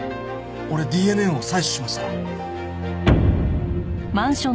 俺ＤＮＡを採取しました。